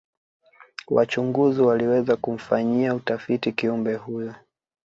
wachunguzi waliweza kumfanyia utafiti kiumbe huyu